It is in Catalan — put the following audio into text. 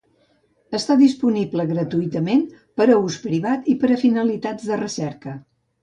Està disponible gratuïtament per a ús privat i per a finalitats de recerca.